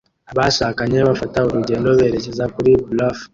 Abashakanye bafata urugendo berekeza kuri bluff